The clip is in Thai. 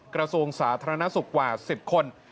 กระทรวงสาธารณสุขกว่า๑๐คน